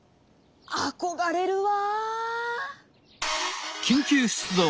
あこがれるわ。